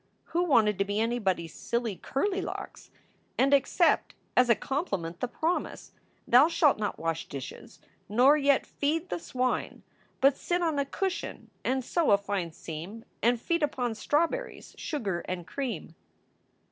Who wanted to be anybody s silly Curlylocks? and accept as a compliment the promise, "Thou shalt not wash dishes nor yet feed the swine, but sit on a cushion and sew a fine seam, and feed upon strawberries, sugar, and cream."